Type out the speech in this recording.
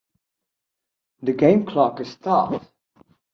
The game clock is stopped.